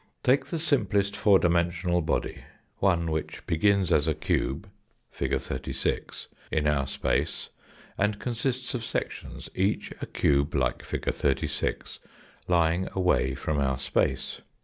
Take the simplest four dimensional body one which begins as a cube, fig. 36, in our space, and consists of sections, each a cube like fig. 36, lying away from our space.